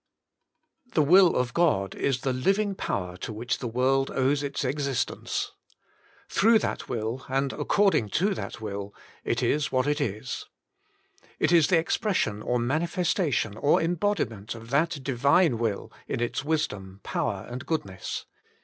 The will of God is the living power to which the world owes its existence. Through that will, and according to that will, it is what it is. It is the expression or manifestation or embodiment of that Divine Will in its wisdom, power and good ness.